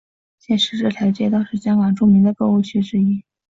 现时这条街道是香港著名的购物区之一。